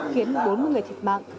khiến bốn mươi người thiệt mạng